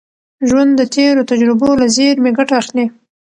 ژوند د تېرو تجربو له زېرمي ګټه اخلي.